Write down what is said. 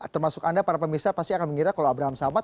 termasuk anda para pemirsa pasti akan mengira kalau abraham samad